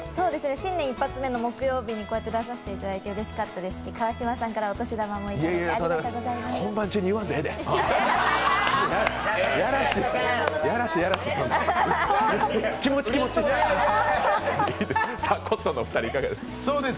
新年一発目、木曜日に出していただいてうれしかったですし、川島さんからお年玉もいただいて、ありがとうございます。